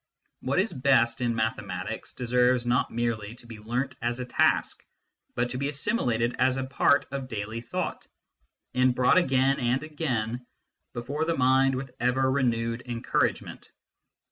What is best in mathematics deserves not merely to be learnt as a task, but to be assimilated as a part of daily thought, and brought again and again before the mind with ever renewed encouragement.